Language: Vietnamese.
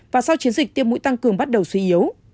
và sau chiến dịch tiêm mũi tăng cường bắt đầu suy yếu